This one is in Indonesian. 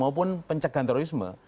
maupun pencegahan terorisme